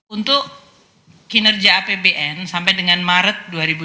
untuk kinerja apbn sampai dengan maret dua ribu dua puluh